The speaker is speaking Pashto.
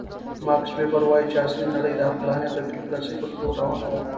ماکس ویبر وایي چې عصري نړۍ د عقلانیت او بیروکراسۍ په لور روانه ده.